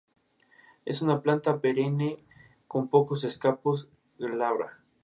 Es una planta perenne, con pocos escapos, glabra.